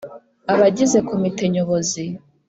abagize Komite Nyobozi